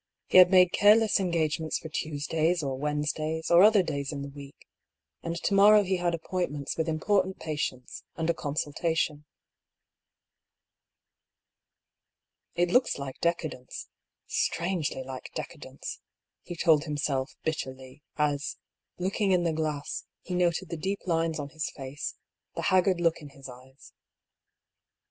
He had made careless engagements for Tues days or Wednesdays, or other days in the week ; and to morrow he had appointments with important patients, and a consultation. " It looks like decadence — strangely like decadence," he told himself, bitterly, as, looking in the glass, he noted the deep lines on his face, the haggard look in his eyes.